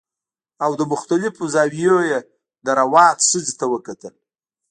او له مختلفو زاویو یې د روات ښځې ته وکتل